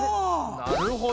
なるほど。